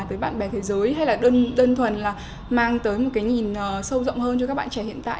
tới bạn bè thế giới hay là đơn thuần là mang tới một cái nhìn sâu rộng hơn cho các bạn trẻ hiện tại